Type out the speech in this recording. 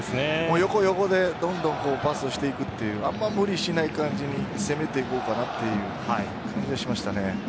横、横でどんどんパスをしていくというあまり無理しない感じに攻めていこうかなという感じがしました。